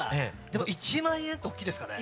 １万円って大きいですかね？